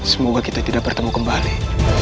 semoga kita tidak bertemu kembali